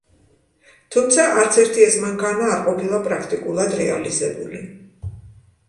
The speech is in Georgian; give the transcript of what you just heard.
თუმცა არც ერთი ეს მანქანა არ ყოფილა პრაქტიკულად რეალიზებული.